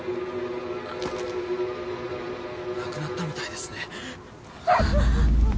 亡くなったみたいですね。